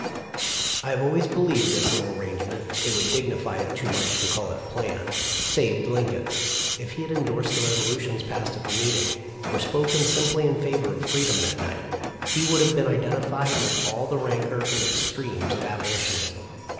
* I have always believed this little arrangement — it would dignify it too much to call it a plan — saved Lincoln. If he had endorsed the resolutions passed at the meeting, or spoken sim ply in favor of freedom that night, he would have been identified with all the rancor and extremes of Abolitionism.